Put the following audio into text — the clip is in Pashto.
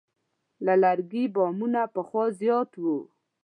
د لرګي بامونه پخوا زیات وو.